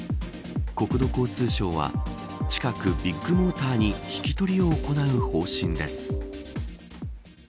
国土交通省は近くビッグモーターに聞き取りを行う方針です。